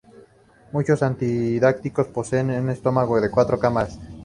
Muchos artiodáctilos poseen un estómago de cuatro cámaras.